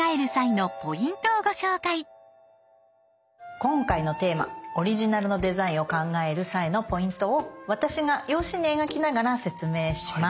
今回のテーマオリジナルのデザインを考える際のポイントを私が用紙に描きながら説明します。